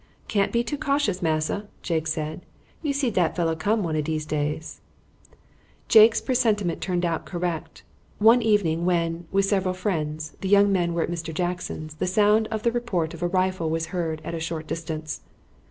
"Can't be too cautious, massa," Jake said. "You see dat fellow come one of dese days." Jake's presentiment turned out correct. One evening when, with several friends, the young men were at Mr. Jackson's the sound of the report of a rifle was heard at a short distance.